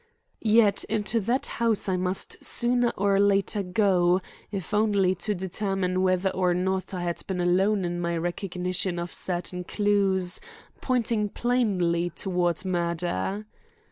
Yet into that house I must sooner or later go, if only to determine whether or not I had been alone in my recognition of certain clues pointing plainly toward murder.